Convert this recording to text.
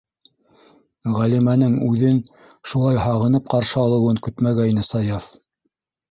Ғәлимәнең үҙен шулай һағынып ҡаршы алыуын көтмәгәйне Саяф.